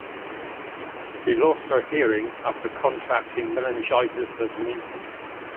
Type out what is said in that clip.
She lost her hearing after contracting meningitis as an infant.